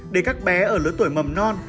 để các bé ở lứa tuổi mầm non